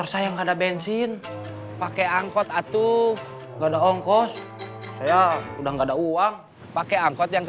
saya juga udah gak ada uang